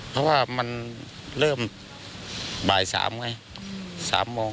เพราะว่ามันเริ่มบ่าย๓ไง๓โมง